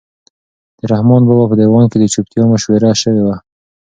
د رحمان بابا په دیوان کې د چوپتیا مشوره شوې وه.